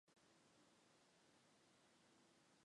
通称左近。